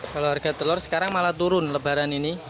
kalau harga telur sekarang malah turun lebaran ini